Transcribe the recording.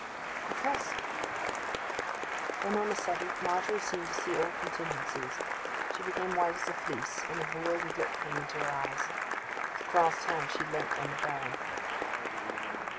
'Because—' Then on a sudden, Margery seemed to see all contingencies: she became white as a fleece, and a bewildered look came into her eyes. With clasped hands she leant on the Baron.